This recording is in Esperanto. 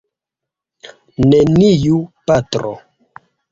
Neniu, patro!